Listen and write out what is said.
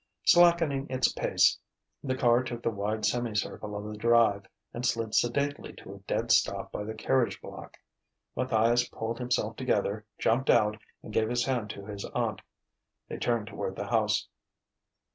Slackening its pace, the car took the wide semicircle of the drive and slid sedately to a dead stop by the carriage block. Matthias pulled himself together, jumped out, and gave his hand to his aunt. They turned toward the house.